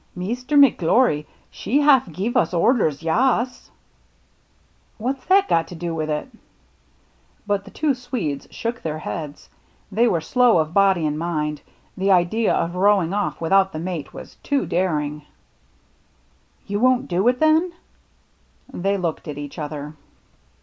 " Meester McGlory, she haf geef us orders, ya as ?"" What's that got to do with it ?" But the two Swedes shook their heads. They were slow of body and mind ; the idea of rowing off without the mate was too daring. "You won't do it, then ?" They looked at each other.